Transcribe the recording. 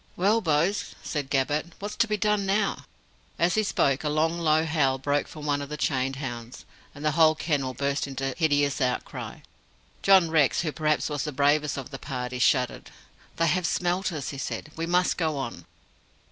"Well, bo's," said Gabbett, "what's to be done now?" As he spoke, a long low howl broke from one of the chained hounds, and the whole kennel burst into hideous outcry. John Rex, who perhaps was the bravest of the party, shuddered. "They have smelt us," he said. "We must go on."